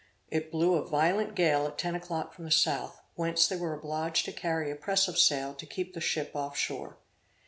It blew a violent gale at ten o'clock from the south, whence they were obliged to carry a press of sail to keep the ship off shore.